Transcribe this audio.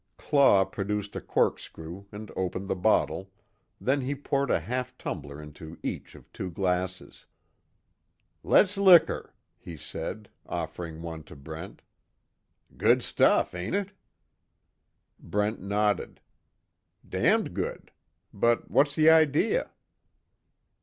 Claw produced a corkscrew and opened the bottle, then he poured a half tumbler into each of two glasses. "Le's liquor," he said, offering one to Brent. "Good stuff, ain't it?" Brent nodded: "Damned good. But what's the idea?"